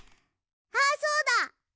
あそうだ！